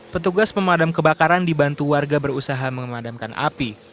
petugas pemadam kebakaran dibantu warga berusaha memadamkan api